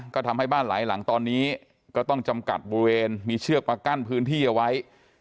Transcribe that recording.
ก็ทำให้บ้านหลายหลังตอนนี้ก็ต้องจำกัดบริเวณมีเชือกมากั้นพื้นที่เอาไว้